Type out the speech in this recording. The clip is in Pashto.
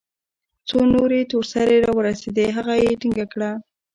څو نورې تور سرې راورسېدې هغه يې ټينګه كړه.